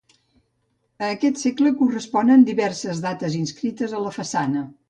A aquest segle corresponen diverses dates inscrites a la façana.